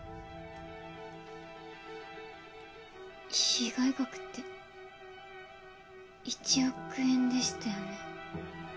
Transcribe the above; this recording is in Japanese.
被害額って１億円でしたよね？